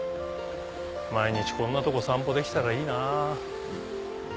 毎日こんなとこ散歩できたらいいな。